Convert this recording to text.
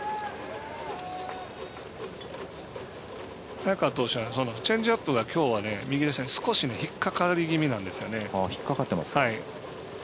早川投手はチェンジアップの握りが少し引っ掛かり気味なんですよね。